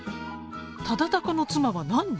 「忠敬の妻は何人？」。